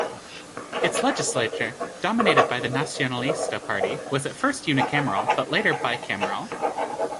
Its legislature, dominated by the Nacionalista Party, was at first unicameral, but later bicameral.